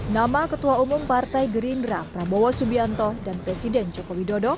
nama ketua umum partai gerindra prabowo subianto dan presiden joko widodo